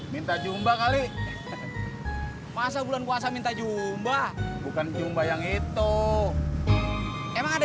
minta jumpa kali masa bulan puasa minta jumba bukan jumpa yang itu emang ada